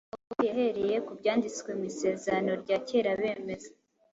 Pawulo yahereye ku Byanditswe mu Isezerano rya Kera abemeza